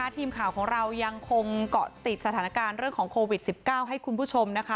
ทีมข่าวของเรายังคงเกาะติดสถานการณ์เรื่องของโควิด๑๙ให้คุณผู้ชมนะคะ